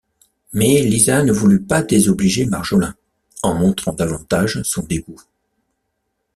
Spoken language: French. Mais Lisa ne voulut pas désobliger Marjolin, en montrant davantage son dégoût.